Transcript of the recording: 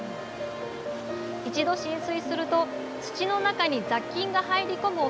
一度浸水すると土の中に雑菌が入り込む恐れがあります。